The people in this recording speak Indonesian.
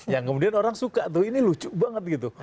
yang kemudian orang suka tuh ini lucu banget gitu